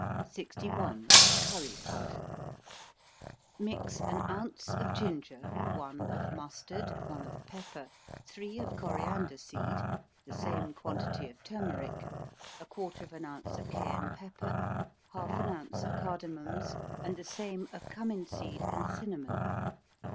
61. Curry Powder. Mix an ounce of ginger, one of mustard, one of pepper, three of coriander seed, the same quantity of turmeric, a quarter of an ounce of cayenne pepper, half an ounce of cardamums, and the same of cummin seed and cinnamon.